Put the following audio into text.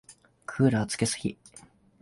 クーラーつけすぎ。